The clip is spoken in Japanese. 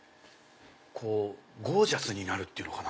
ゴージャスになるっていうのかな。